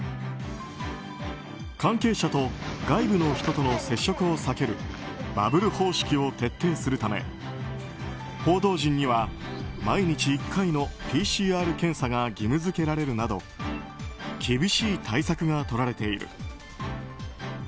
関係者と外部の人との接触を避けるバブル方式を徹底するため報道陣には毎日１回のＰＣＲ検査が義務付けられるなど厳しい対策がとられている。